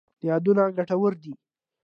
یادونه ګټور دي.